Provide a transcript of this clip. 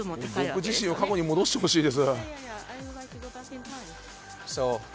僕自身は過去に戻してほしいです。